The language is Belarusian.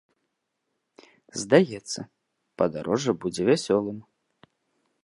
Здаецца, падарожжа, будзе вясёлым.